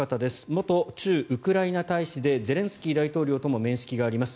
元駐ウクライナ大使でゼレンスキー大統領とも面識があります